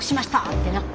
ってな。